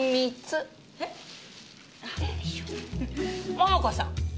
桃子さん！